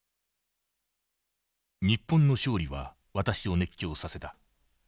「日本の勝利は私を熱狂させた。